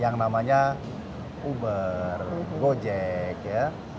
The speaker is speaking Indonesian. yang namanya uber gojek ya